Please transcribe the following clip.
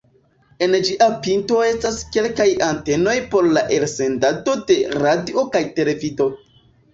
En ĝia pinto estas kelkaj antenoj por la elsendado de radio kaj televido.